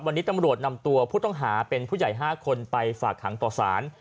วันนี้ตำรวจนำตัวผู้ต้องหาเป็นผู้ใหญ่๕คนไปฝากขังต่อสาร